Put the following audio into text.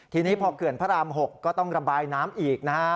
ทีนี้พอเขื่อนพระราม๖ก็ต้องระบายน้ำอีกนะฮะ